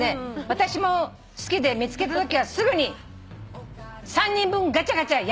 「私も好きで見つけたときはすぐに３人分ガチャガチャやりました」